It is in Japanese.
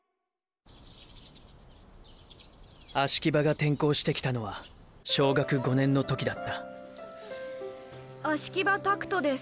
葦木場が転校してきたのは小学５年の時だった葦木場拓斗です。